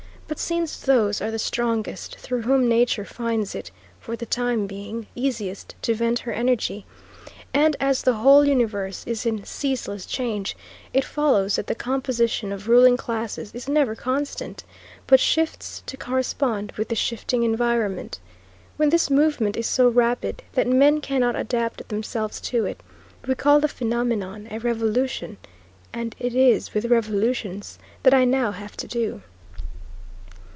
But, since those are the strongest through whom nature finds it, for the time being, easiest to vent her energy, and as the whole universe is in ceaseless change, it follows that the composition of ruling classes is never constant, but shifts to correspond with the shifting environment. When this movement is so rapid that men cannot adapt themselves to it, we call the phenomenon a revolution, and it is with revolutions that I now have to do.